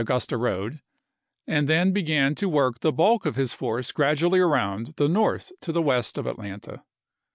ATLANTA 275 gusta road, and then began to work the bulk of his chap. xii. force gradually around the north to the west of Atlanta.